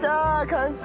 完成！